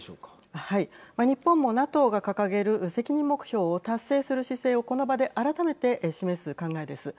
日本もＮＡＴＯが掲げる責任目標を達成する姿勢を、この場で改めて示す考えです。